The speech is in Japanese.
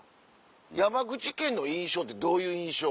山口県の印象ってどういう印象？